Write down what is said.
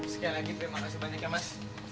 sekali lagi terima kasih banyak ya mas